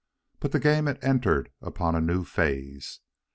But the game had entered upon a new phase.